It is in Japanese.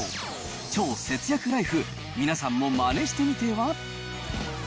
超節約ライフ、皆さんもまねしてみては？